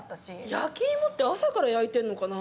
焼き芋って朝から焼いてるのかな？